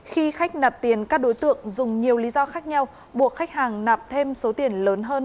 khi khách nạp tiền các đối tượng dùng nhiều lý do khác nhau buộc khách hàng nạp thêm số tiền lớn hơn